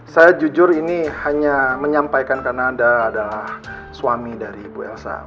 saya jujur ini hanya menyampaikan karena anda adalah suami dari ibu elsa